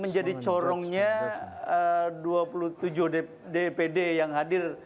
menjadi corongnya dua puluh tujuh dpd yang hadir